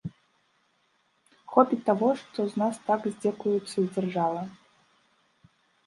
Хопіць таго, што з нас так здзекуецца дзяржава.